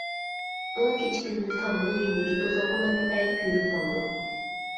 ئون كېچە-كۈندۈز تاغنىڭ يېنىدىكى توسالغۇلارنى ئەگىپ يۈرۈپ ماڭدۇق.